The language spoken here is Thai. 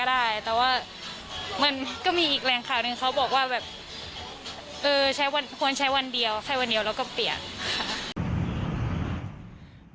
ได้แต่ว่ามันก็มีอีกแรงข่าวหนึ่งเขาบอกว่าแบบเออใช้วันควรใช้วันเดียวใช้วันเดียวแล้วก็เปลี่ยนค่ะ